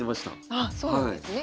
あっそうなんですね。